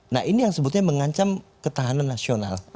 nah ini yang sebetulnya mengancam ketahanan nasional